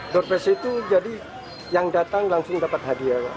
door fest itu jadi yang datang langsung dapat hadiah